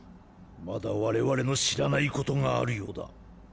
まだ我々の知らないことがあるようだ。